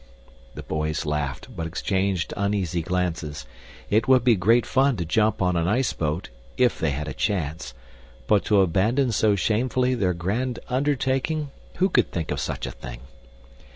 The boys laughed but exchanged uneasy glances. It would be great fun to jump on an iceboat, if they had a chance, but to abandon so shamefully their grand undertaking who could think of such a thing?